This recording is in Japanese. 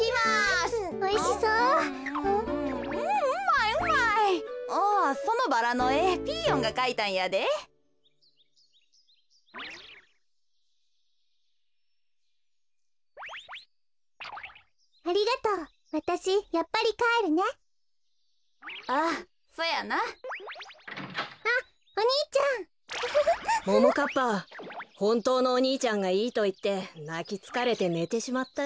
ほんとうのお兄ちゃんがいいといってなきつかれてねてしまったよ。